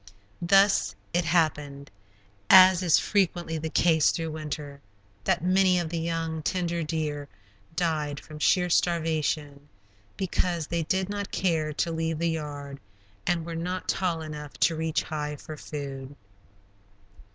Thus it happened, as is frequently the case through winter, that many of the young, tender deer died from sheer starvation, because they did not care to leave the "yard" and were not tall enough to reach high for food.